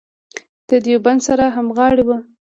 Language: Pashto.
د دیوبند سره همغاړې وه.